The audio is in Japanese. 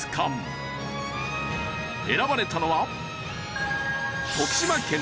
選ばれたのは。